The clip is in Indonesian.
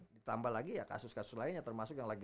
ditambah lagi ya kasus kasus lainnya termasuk yang lagi